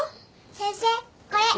先生これ。